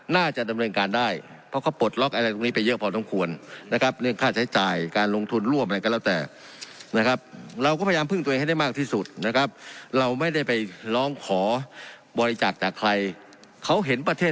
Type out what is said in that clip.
น่าจะดำเนินการได้เพราะเขาปลดล็อกอะไรตรงนี้ไปเยอะพอต้องควร